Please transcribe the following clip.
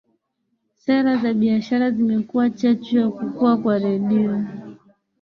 sera za biashara zimekuwa chachu ya kukua kwa redio